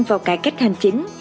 vào cải cách hành chính